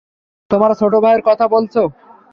তোমার ছোট ভাইয়ের কথা বলছো?